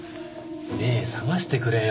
目覚ましてくれよ。